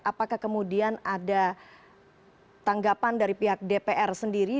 apakah kemudian ada tanggapan dari pihak dpr sendiri